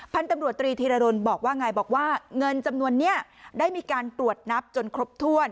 พันธุ์ตำรวจตรีธีรดลบอกว่าไงบอกว่าเงินจำนวนนี้ได้มีการตรวจนับจนครบถ้วน